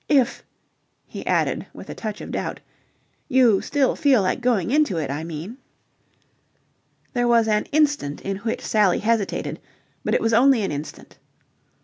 If," he added, with a touch of doubt, "you still feel like going into it, I mean." There was an instant in which Sally hesitated, but it was only an instant.